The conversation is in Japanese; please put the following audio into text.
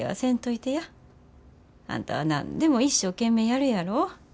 あんたは何でも一生懸命やるやろ。